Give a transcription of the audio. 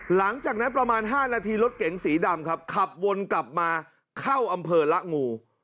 หลังจากนั้นประมาณ๕นาทีรถเก๋งสีดำครับขับวนกลับมาเข้าอำเภอละงู